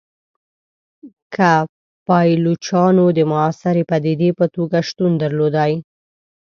که پایلوچانو د موثري پدیدې په توګه شتون درلودلای.